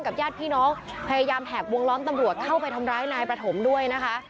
ญาติพี่น้องพยายามแหกวงล้อมตำรวจเข้าไปทำร้ายนายประถมด้วยนะคะ